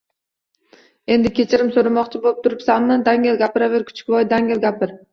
– Endi kechirim so‘ramoqchi bo‘pturibsanmi? Dangal gapiraver, kuchukvoy, dangal gapir